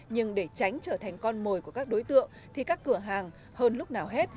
nhưng để tránh trở thành con mồi của các đối tượng thì các cửa hàng hơn lúc nào hết